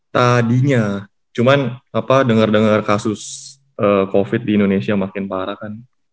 tadinya cuman dengar dengar kasus covid di indonesia makin parah kan